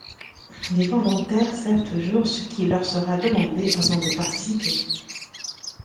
Les volontaires savent toujours ce qui leur sera demandé avant de participer.